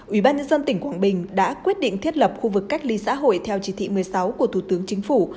ủy ban nhân dân tỉnh quảng bình đã quyết định thiết lập khu vực cách ly xã hội theo chỉ thị một mươi sáu của thủ tướng chính phủ